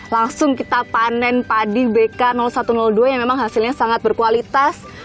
langsung kita panen padi bk satu ratus dua yang memang hasilnya sangat berkualitas